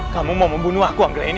kamu mau membunuh aku ambil ini